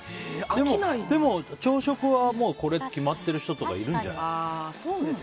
でも、朝食はこれって決まってる人とかいるんじゃない。